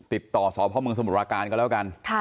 ติดต่อสพมสมุทราการก็แล้วกัน